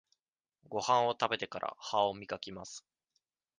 ごはんを食べてから、歯をみがきます。